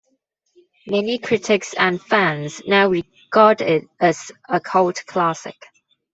Many critics and fans now regard it as a cult classic.